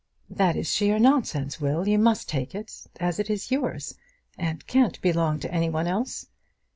"That is sheer nonsense, Will. You must take it, as it is yours, and can't belong to any one else."